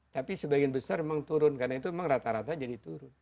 tapi sebagian besar memang turun karena itu memang rata rata jadi turun